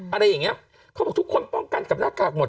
อะไรอย่างเงี้ยเขาบอกทุกคนป้องกันกับหน้ากากหมด